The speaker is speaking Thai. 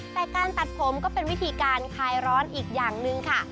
แต่การตัดผมก็เป็นวิธีการคลายร้อนอีกอย่างหนึ่งค่ะ